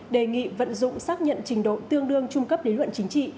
đề nghị vận dụng xác nhận trình độ tương đương trung cấp lý luận chính trị